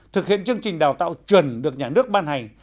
thực hiện chương trình đào tạo chuẩn được nhà nước ban hành